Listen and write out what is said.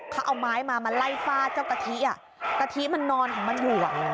เขาเอาไม้มามาไล่ฟาดเจ้ากะทิอ่ะทิมันนอนของมันอยู่